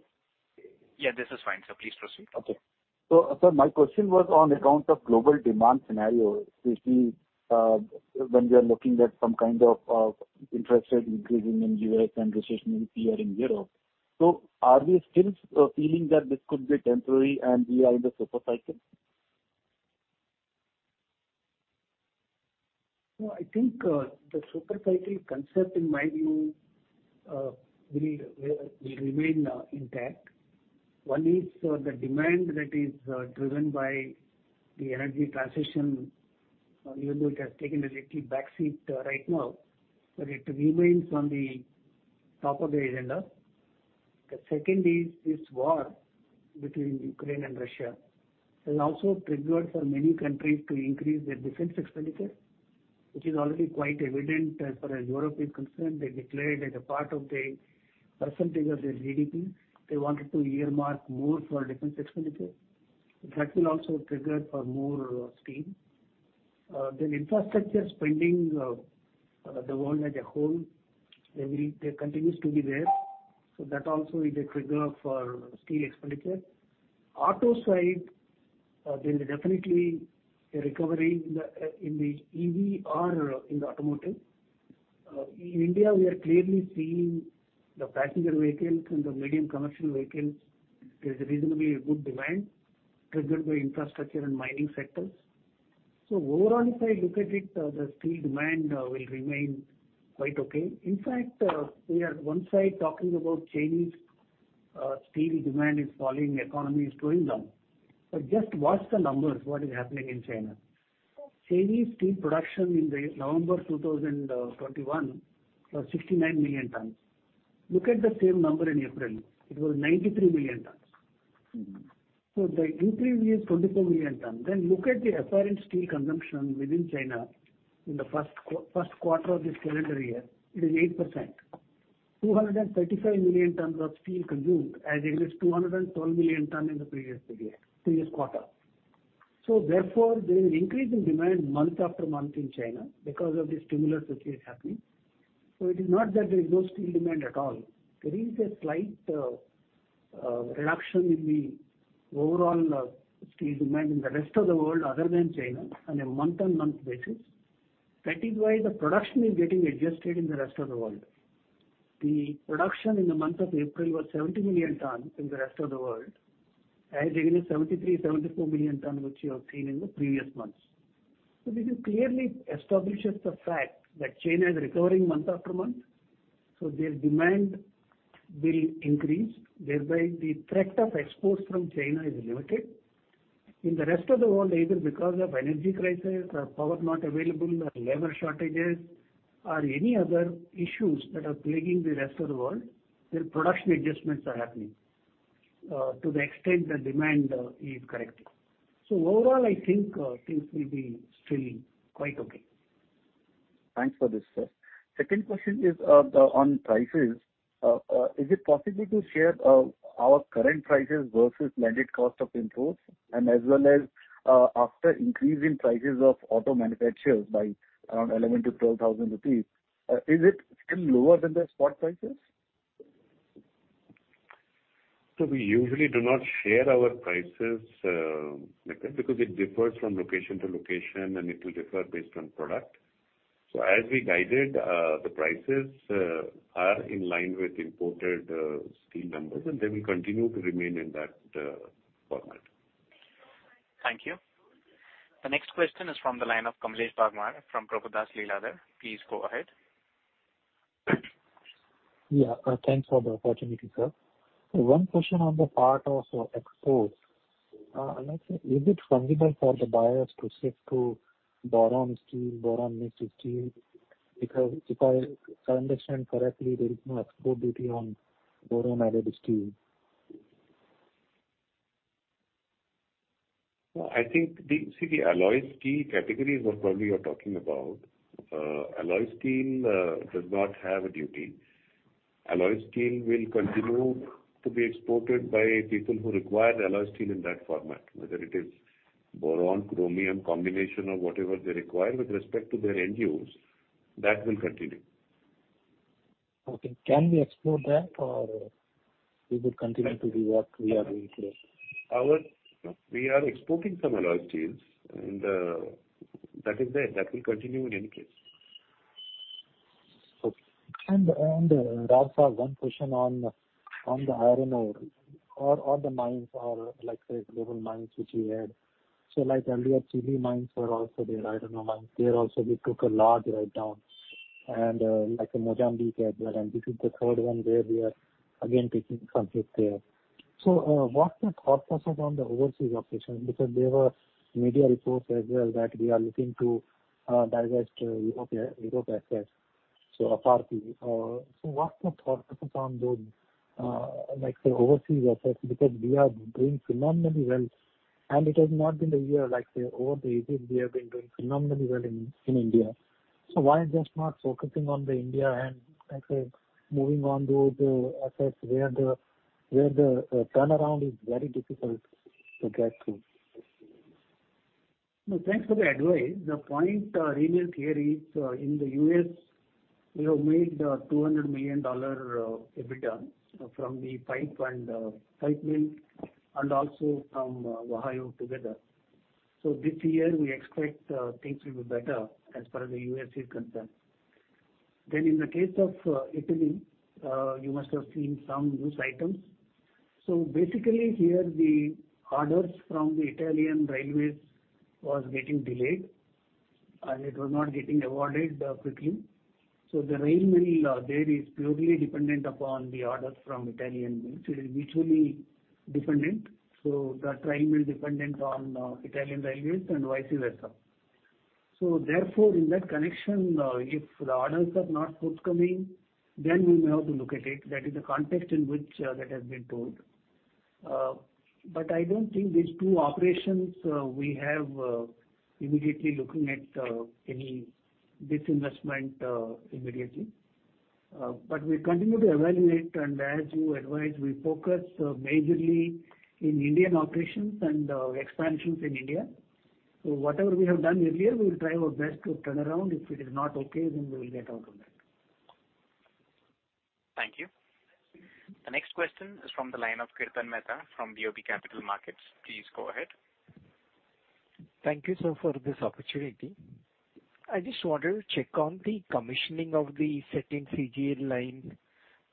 Yeah, this is fine, sir. Please proceed. Okay, sir, my question was on account of global demand scenario. We see, when we are looking at some kind of interest rate increasing in U.S. and recession appearing in Europe. Are we still feeling that this could be temporary and we are in the super cycle? No, I think the super cycle concept in my view will remain intact. One is the demand that is driven by the energy transition, even though it has taken a little backseat right now, but it remains on the top of the agenda. The second is this war between Ukraine and Russia has also triggered for many countries to increase their defense expenditure, which is already quite evident as far as Europe is concerned. They declared as a part of the percentage of their GDP. They wanted to earmark more for defense expenditure. That will also trigger for more steel. Infrastructure spending the world as a whole, it continues to be there. That also is a trigger for steel expenditure. auto side, there will definitely be a recovery in the EV or in the automotive. In India, we are clearly seeing the passenger vehicles and the medium commercial vehicles. There is a reasonably good demand triggered by infrastructure and mining sectors. Overall if I look at it, the steel demand will remain quite okay. In fact, we are one side talking about Chinese steel demand is falling, economy is slowing down. But just watch the numbers, what is happening in China. Chinese steel production in November 2021 was 69 million tons. Look at the same number in April. It was 93 million tons. Mm-hmm. The increase is 24 million tons. Look at the apparent steel consumption within China in the first quarter of this calendar year. It is 8%. 235 million tons of steel consumed as against 212 million tons in the previous quarter. There is increase in demand month after month in China because of the stimulus which is happening. It is not that there is no steel demand at all. There is a slight reduction in the overall steel demand in the rest of the world other than China on a month-on-month basis. That is why the production is getting adjusted in the rest of the world. The production in the month of April was 70 million tons in the rest of the world as against 73 million tons-74 million tons which you have seen in the previous months. This clearly establishes the fact that China is recovering month after month, so their demand will increase, whereby the threat of exports from China is limited. In the rest of the world, either because of energy crisis or power not available or labor shortages or any other issues that are plaguing the rest of the world, their production adjustments are happening, to the extent the demand, is correcting. Overall I think, things will be still quite okay. Thanks for this, sir. Second question is on prices. Is it possible to share our current prices versus landed cost of imports and as well as after increase in prices of auto manufacturers by around 11,000-12,000 rupees, is it still lower than the spot prices? We usually do not share our prices because it differs from location to location, and it will differ based on product. As we guided, the prices are in line with imported steel numbers, and they will continue to remain in that format. Thank you. The next question is from the line of Kamlesh Bagmar from Prabhudas Lilladher. Please go ahead. Thanks for the opportunity, sir. One question on the part of exports. Is it feasible for the buyers to shift to boron steel, boron mixed steel? Because if I understand correctly, there is no export duty on boron-added steel. I think the alloy steel category is what probably you're talking about. Alloy steel does not have a duty. Alloy steel will continue to be exported by people who require the alloy steel in that format, whether it is boron, chromium combination or whatever they require with respect to their end use. That will continue. Okay. Can we explore that or we will continue to do what we are doing here? We are exporting some alloy steels and that is there. That will continue in any case. Okay. one question on the iron ore or the mines or like, say, global mines which we had. Like earlier, Chile mines were also there, iron ore mines. There also we took a large write-down and like in Mozambique as well. This is the third one where we are again taking some hit there. What's your thought process on the overseas operations? Because there were media reports as well that we are looking to divest European assets. So apart. What's your thought process on those, like, say, overseas assets? Because we are doing phenomenally well, and it has not been a year, like say, over the ages, we have been doing phenomenally well in India. Why just not focusing on the India and, like say, moving on those assets where the turnaround is very difficult to get through? No, thanks for the advice. The point remains here is, in the U.S. we have made $200 million EBITDA from the pipe and pipe mill and also from Ohio together. This year we expect things to be better as far as the U.S. is concerned. Then in the case of Italy, you must have seen some news items. Basically here the orders from the Italian railways was getting delayed, and it was not getting awarded quickly. The rail mill there is purely dependent upon the orders from Italian railways. It is mutually dependent. The rail mill dependent on Italian railways and vice versa. Therefore in that connection, if the orders are not forthcoming, then we may have to look at it. That is the context in which that has been told. I don't think these two operations we have immediately looking at any disinvestment immediately. We continue to evaluate and as you advised we focus majorly in Indian operations and expansions in India. Whatever we have done earlier we will try our best to turn around. If it is not okay then we will get out of that. Thank you. The next question is from the line of Kirtan Mehta from BOB Capital Markets. Please go ahead. Thank you, sir, for this opportunity. I just wanted to check on the commissioning of the second CGL line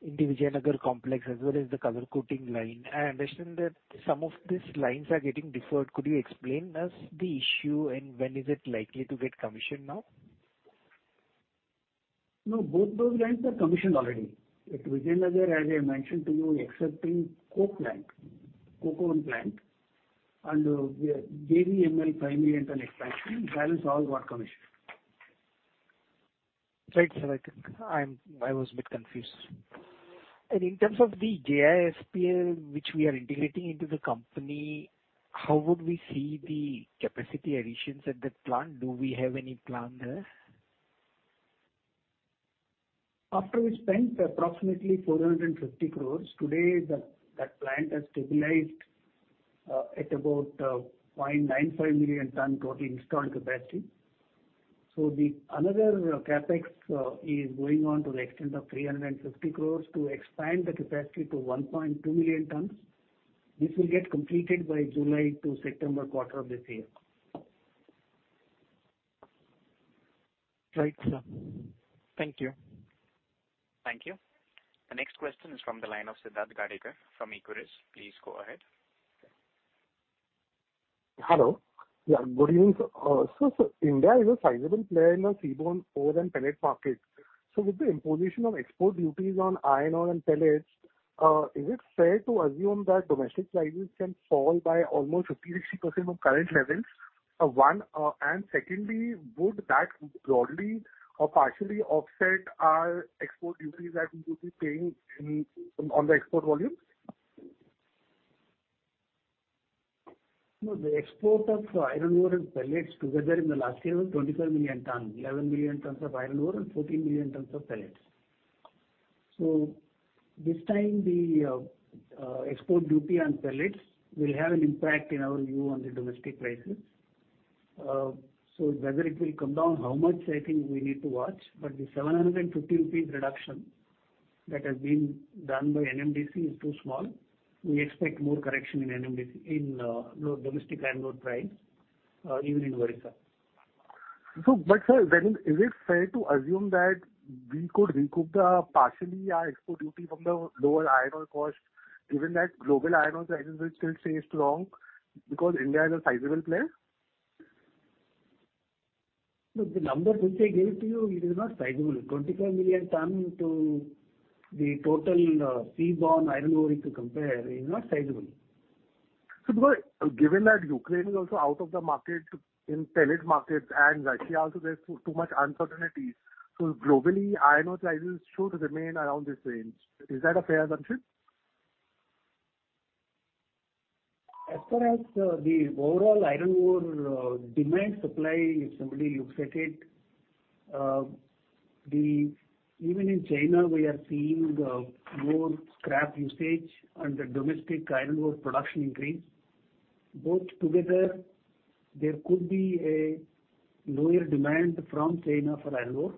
in the Vijayanagar complex, as well as the color coating line. I understand that some of these lines are getting deferred. Could you explain us the issue and when is it likely to get commissioned now? No, both those lines are commissioned already. At Vijayanagar, as I mentioned to you, excepting coke plant, coke oven plant and JVML primary metal expansion, balance all got commissioned. Right, sir. I think I was a bit confused. In terms of the JISPL which we are integrating into the company, how would we see the capacity additions at that plant? Do we have any plan there? After we spent approximately 450 crores, today that plant has stabilized at about 0.95 million tons total installed capacity. Another CapEx is going on to the extent of 350 crores to expand the capacity to 1.2 million tons. This will get completed by July to September quarter of this year. Right, sir. Thank you. Thank you. The next question is from the line of Siddharth Gadekar from Equirus. Please go ahead. Hello. Yeah, good evening, sir. Sir, India is a sizable player in the seaborne ore and pellet market. With the imposition of export duties on iron ore and pellets, is it fair to assume that domestic prices can fall by almost 50%-60% from current levels? Secondly, would that broadly or partially offset our export duties that we would be paying on the export volumes? No, the export of iron ore and pellets together in the last year was 25 million tons. 11 million tons of iron ore and 14 million tons of pellets. This time the export duty on pellets will have an impact in our view on the domestic prices. Whether it will come down, how much, I think we need to watch. The 750 rupees reduction that has been done by NMDC is too small. We expect more correction in NMDC in low domestic iron ore price, even in Orissa. sir, is it fair to assume that we could recoup the partially our export duty from the lower iron ore cost given that global iron ore prices will still stay strong because India is a sizable player? No, the numbers which I gave to you. It is not sizable. 25 million tons to the total, seaborne iron ore you could compare is not sizable. Given that Ukraine is also out of the market in pellet markets and Russia also there's too much uncertainties. Globally, iron ore prices should remain around this range. Is that a fair assumption? As far as the overall iron ore demand supply, if somebody looks at it, even in China we are seeing more scrap usage and the domestic iron ore production increase. Both together there could be a lower demand from China for iron ore.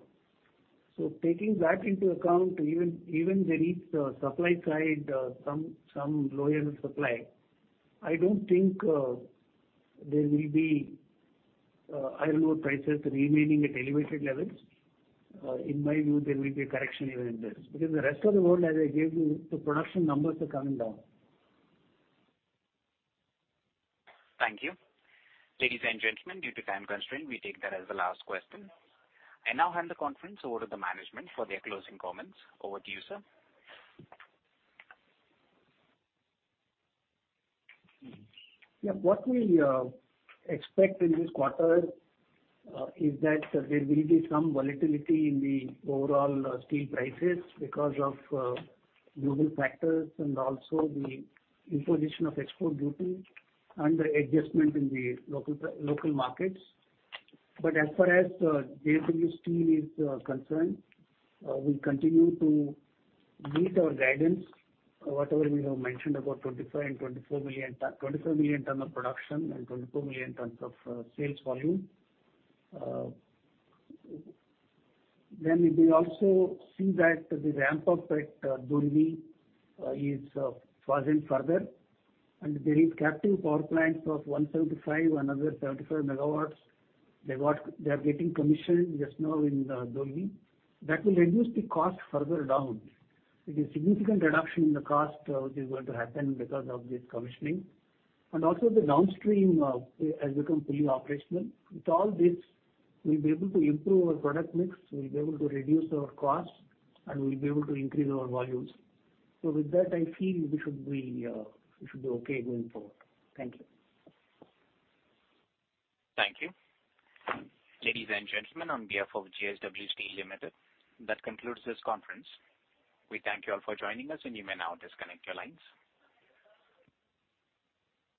Taking that into account, even there is supply side some lower supply, I don't think there will be iron ore prices remaining at elevated levels. In my view, there will be a correction even in this. Because the rest of the world as I gave you, the production numbers are coming down. Thank you. Ladies and gentlemen, due to time constraint, we take that as the last question. I now hand the conference over to the management for their closing comments. Over to you, sir. Yeah. What we expect in this quarter is that there will be some volatility in the overall steel prices because of global factors and also the imposition of export duty and the adjustment in the local markets. As far as JSW Steel is concerned, we continue to meet our guidance. Whatever we have mentioned about 25 million tons and 24 million tons, 25 million tons of production and 24 million tons of sales volume. We also see that the ramp up at Dolvi is frozen further. There is captive power plants of 175 MW, another 75 MW. They are getting commissioned just now in Dolvi. That will reduce the cost further down. It is significant reduction in the cost which is going to happen because of this commissioning. Also the downstream has become fully operational. With all this, we'll be able to improve our product mix, we'll be able to reduce our costs, and we'll be able to increase our volumes. With that, I feel we should be okay going forward. Thank you. Thank you. Ladies and gentlemen, on behalf of JSW Steel Limited, that concludes this conference. We thank you all for joining us, and you may now disconnect your lines.